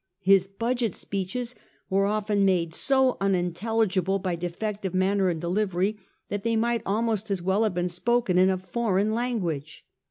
His budget speeches were often made so unintelligible by defective manner and delivery that they might almost as well have been spoken in a foreign language.